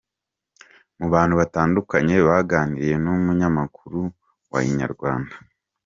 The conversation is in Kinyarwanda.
Mu bantu batandukanye baganiriye n’umunyamakuru wa Inyarwanda.